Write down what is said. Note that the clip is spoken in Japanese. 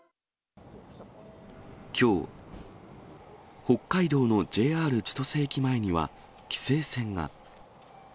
きょう、北海道のＪＲ千歳駅前には、規制線が。